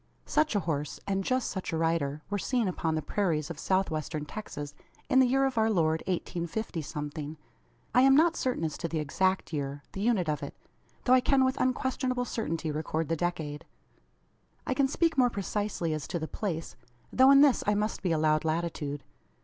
Such a horse; and just such a rider, were seen upon the prairies of South Western Texas in the year of our Lord 1850 something. I am not certain as to the exact year the unit of it though I can with unquestionable certainty record the decade. I can speak more precisely as to the place; though in this I must be allowed latitude.